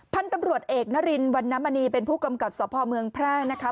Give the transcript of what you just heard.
พันธุ์ตำรวจเอกนรินวันนมณีเป็นผู้กำกับสพเมืองแพร่นะคะ